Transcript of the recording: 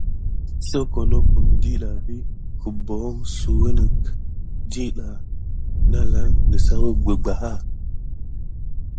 Soko nokum ɗiɗɑ vi guboho suyune net ɗiɗa alan nisaku bebaya.